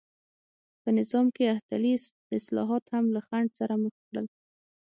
په نظام کې احتلي اصلاحات هم له خنډ سره مخ کړل.